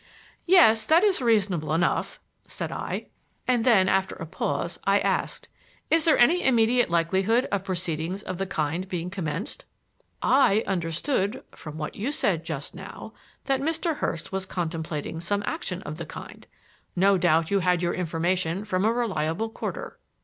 "Yes, that is reasonable enough," said I. And then, after a pause, I asked: "Is there any immediate likelihood of proceedings of the kind being commenced?" "I understood from what you said just now that Mr. Hurst was contemplating some action of the kind. No doubt you had your information from a reliable quarter."